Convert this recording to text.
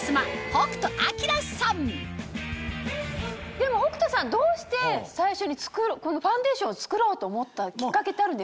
でも北斗さんどうして最初にこのファンデーションを作ろうと思ったきっかけってあるんですか？